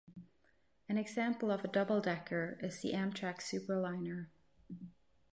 An example of a double decker is the Amtrak superliner.